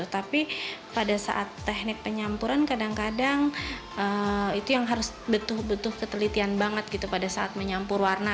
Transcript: tapi pada saat teknik penyampuran kadang kadang itu yang harus betul betul ketelitian banget gitu pada saat menyampur warna